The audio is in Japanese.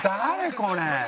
これ。